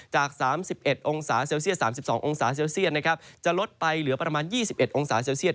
จาก๓๑เซลเซียสจะลดไปเหลือประมาณ๒๑องศาเซียส